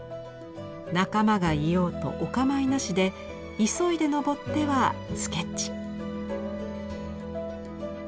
仲間がいようとおかまいなしで急いで登ってはスケッチ。